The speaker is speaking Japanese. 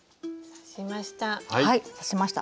刺しました。